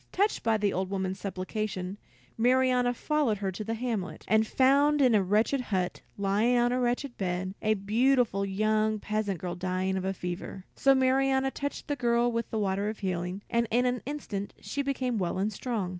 Touched by the old woman's supplication, Marianna followed her to the hamlet, and found in a wretched hut, lying on a wretched bed, a beautiful young peasant girl dying of a fever. So Marianna touched the girl with the water of healing, and in an instant she became well and strong.